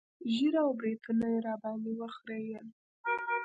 ږيره او برېتونه يې راباندې وخرييل.